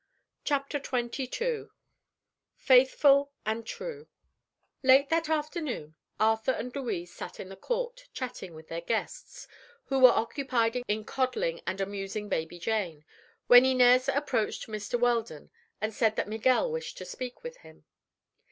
CHAPTER XXII—FAITHFUL AND TRUE Late that afternoon Arthur and Louise sat in the court, chatting with their guests, who were occupied in coddling and amusing baby Jane, when Inez approached Mr. Weldon and said that Miguel wished to speak with him.